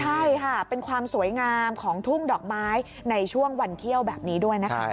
ใช่ค่ะเป็นความสวยงามของทุ่งดอกไม้ในช่วงวันเที่ยวแบบนี้ด้วยนะคะ